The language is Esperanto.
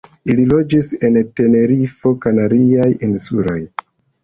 Ili loĝis en Tenerifo, Kanariaj insuloj.